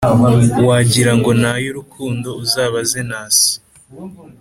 wagirango nayurukundo uzabaze nasi